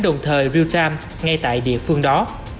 đồng thời real time ngay tại địa phương đó